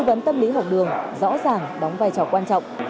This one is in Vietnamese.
vấn tâm lý học đường rõ ràng đóng vai trò quan trọng